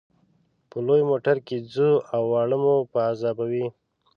په لوی موټر کې ځو او واړه مو په عذابوي.